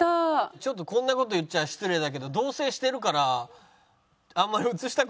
ちょっとこんな事言っちゃ失礼だけど同棲してるからあんまり映したくないでしょ？